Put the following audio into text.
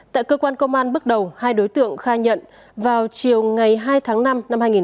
tại cơ quan công an bước đầu hai đối tượng khai nhận vào chiều ngày hai tháng năm năm hai nghìn hai mươi ba